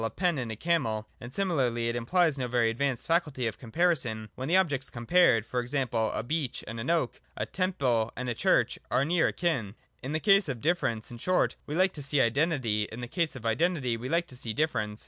a pen and a camel : and similarly, it implies no very advanced faculty of comparison, when the objects compared, e.g. a beech and an oak, a temple and a church, are near akin. In the case of difference, in short, we like to see identity, and in the case of identity we like to see difference.